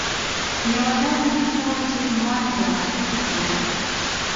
يوه داسې کيسه وه چې ما ډراماتيکه کوله.